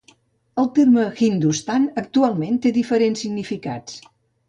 El terme "Hindustan" actualment té diferents significats.